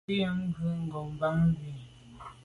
Ngùnyàm kwé ngo’ bàn bu i,